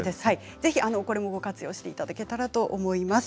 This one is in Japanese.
ご活用していただけたらと思います。